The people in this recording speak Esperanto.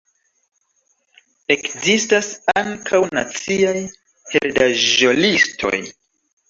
Ekzistas ankaŭ naciaj heredaĵo-listoj.